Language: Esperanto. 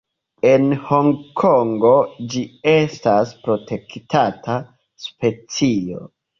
En Hongkongo, ĝi estas protektata specio.